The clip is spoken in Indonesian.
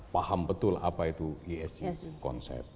paham betul apa itu isg